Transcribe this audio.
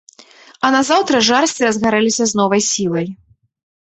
А назаўтра жарсці разгарэліся з новай сілай.